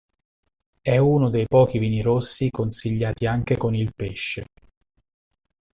È uno dei pochi vini rossi consigliati anche con il pesce.